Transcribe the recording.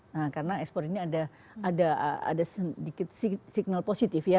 nah karena ekspor ini ada sedikit signal positif ya